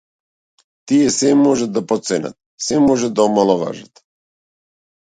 Тие сѐ можат да потценат, сѐ можат да омаловажат.